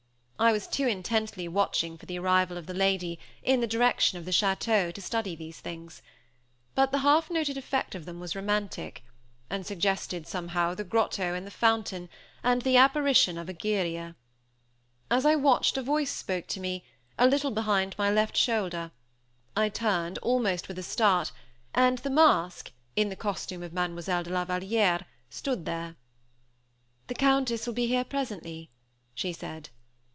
I was too intently watching for the arrival of the lady, in the direction of the château, to study these things; but the half noted effect of them was romantic, and suggested somehow the grotto and the fountain, and the apparition of Egeria. As I watched a voice spoke to me, a little behind my left shoulder. I turned, almost with a start, and the masque, in the costume of Mademoiselle de la Vallière, stood there. "The Countess will be here presently," she said.